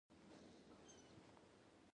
خو امنیتي ځواکونه یې